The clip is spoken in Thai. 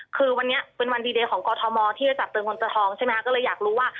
คือวันนี้เป็นวันดีเดย์ของกอทมที่จะจับเติมเงินตัวทองใช่ไหมคะก็เลยอยากรู้ว่า